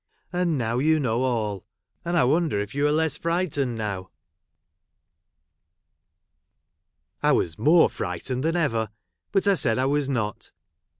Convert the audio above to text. And now you know all ! and I Avonder if you are less frightened noAv 1 " I was more frightened than ever ; but I said I was not.